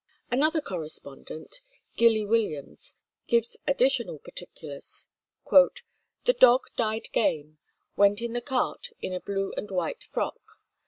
Another correspondent, Gilly Williams, gives additional particulars. "The dog died game: went in the cart in a blue and white frock